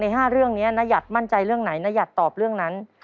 ๕เรื่องนี้นหยัดมั่นใจเรื่องไหนน้าหยัดตอบเรื่องนั้น